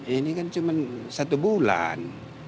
ini kan cuma satu bulan